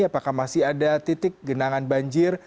apakah masih ada titik genangan banjir